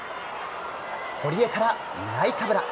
堀江からナイカブラ。